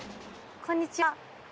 こんにちは。